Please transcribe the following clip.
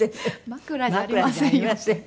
枕じゃありませんよ。